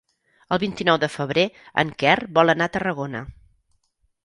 El vint-i-nou de febrer en Quer vol anar a Tarragona.